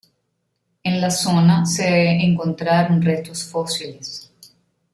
En la zona se encontraron restos fósiles.